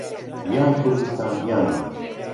یان کوردستان یان نەمان.